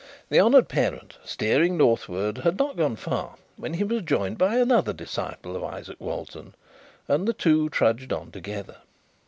The honoured parent steering Northward, had not gone far, when he was joined by another disciple of Izaak Walton, and the two trudged on together.